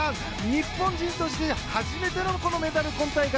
日本人として初めてのメダル。